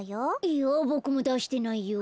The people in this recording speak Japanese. いやぼくもだしてないよ。